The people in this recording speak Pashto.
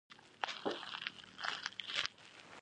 کټ ته را تېره شوه او راته یې وویل: سلام.